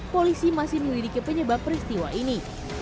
polisi masih menyelidiki penyebab peristiwa ini